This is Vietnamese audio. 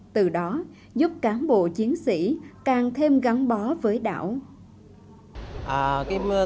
từ đó giúp cán bộ chiến sĩ làm việc tự hào làm việc làm việc làm việc